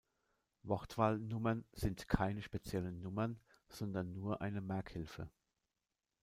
Wortwahl-Nummern sind keine speziellen Nummern, sondern nur eine Merkhilfe.